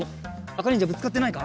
あかにんじゃぶつかってないか？